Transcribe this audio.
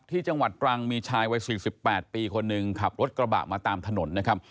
ที่จังหวัดตรังมีชายวัย๔๘ปีคนหนึ่งขับรถกระบะมาตามถนนนะครับ